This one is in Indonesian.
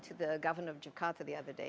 saya berbicara dengan pemerintah jakarta